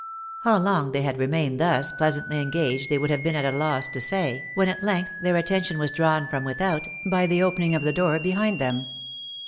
How long they had remained thus pleasantly engaged they would have been at a loss to say, when at length their attention was drawn from without, by opening of the door behind them.